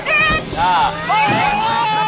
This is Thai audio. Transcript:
อิทธิ์อ้าวอิทธิ์